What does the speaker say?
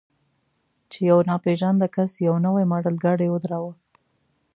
چې یو ناپېژانده کس یو نوی ماډل ګاډی ودراوه.